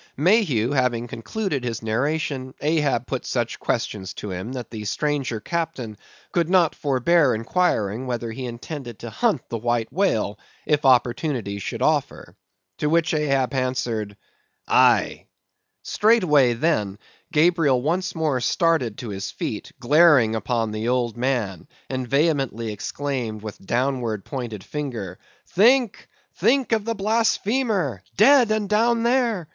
Mayhew having concluded his narration, Ahab put such questions to him, that the stranger captain could not forbear inquiring whether he intended to hunt the White Whale, if opportunity should offer. To which Ahab answered—"Aye." Straightway, then, Gabriel once more started to his feet, glaring upon the old man, and vehemently exclaimed, with downward pointed finger—"Think, think of the blasphemer—dead, and down there!